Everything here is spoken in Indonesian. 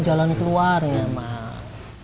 jalan keluar ya emang